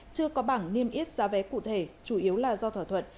chưa có bảng niêm yết giá vé cụ thể chủ yếu là do thỏa thuận